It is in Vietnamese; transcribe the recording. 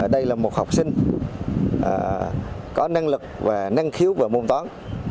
đây là một học sinh có năng lực và năng khiếu về môn toán